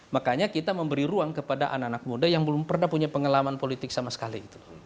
makanya kita memberi ruang kepada anak anak muda yang belum pernah punya pengalaman politik sama sekali